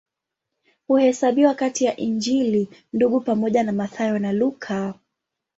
Huhesabiwa kati ya Injili Ndugu pamoja na Mathayo na Luka.